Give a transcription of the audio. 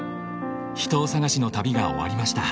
秘湯探しの旅が終わりました。